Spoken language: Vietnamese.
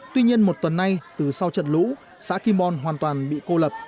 tuy nhiên một tuần nay từ sau trận lũ xã kim bon hoàn toàn bị cô lập